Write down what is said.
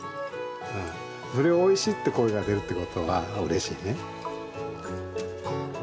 それを「おいしい」って声が出るってことはうれしいね。